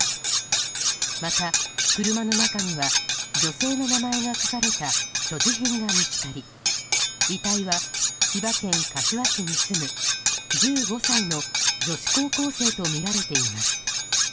また、車の中には女性の名前が書かれた所持品が見つかり遺体は千葉県柏市に住む１５歳の女子高校生とみられています。